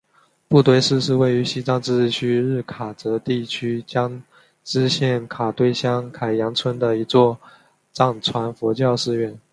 布堆寺是位于西藏自治区日喀则地区江孜县卡堆乡凯扬村的一座藏传佛教寺院。